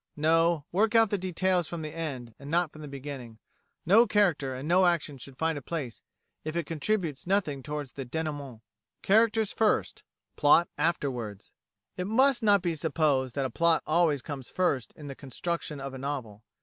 No; work out the details from the end, and not from the beginning. No character and no action should find a place if it contributes nothing towards the dénouement. Characters first: Plot afterwards It must not be supposed that a plot always comes first in the constructing of a novel.